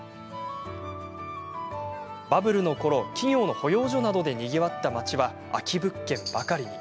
バブルのころ、企業の保養所などでにぎわった町は空き物件ばかりに。